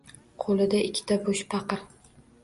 Qo`lida ikkita bo`sh paqir